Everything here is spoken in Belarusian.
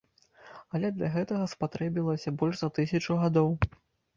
Але для гэтага спатрэбілася больш за тысячу гадоў.